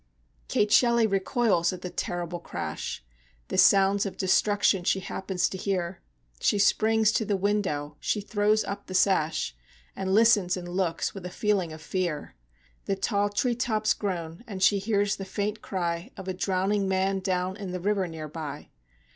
Kate Shelly recoils at the terrible crash; The sounds of destruction she happens to hear; She springs to the window she throws up the sash, And listens and looks with a feeling of fear. The tall tree tops groan, and she hears the faint cry Of a drowning man down in the river near by.